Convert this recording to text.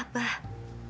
kamu harus tabah